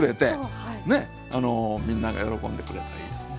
ねあのみんなが喜んでくれたらいいですね。